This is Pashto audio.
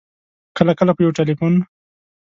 کله کله په یو ټېلفون